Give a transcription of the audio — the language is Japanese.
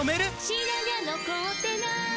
「白髪残ってない！」